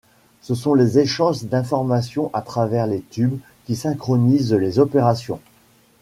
Ce sont les échanges d'informations à travers les tubes qui synchronisent les opérations.